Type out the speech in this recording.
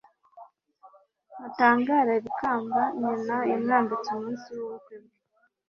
mutangarire ikamba nyina yamwambitse umunsi w'ubukwe bwe